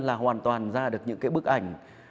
là hoàn toàn ra được những cái bức ảnh